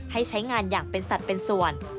ให้ใช้งานอย่างเป็นสัตว์เป็นส่วน